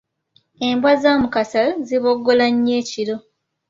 Embwa za Mukasa ziboggola nnyo ekiro.